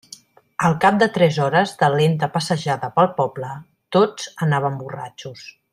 Al cap de tres hores de lenta passejada pel poble, tots anaven borratxos.